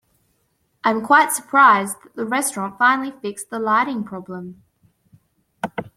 I am quite surprised that the restaurant finally fixed the lighting problem.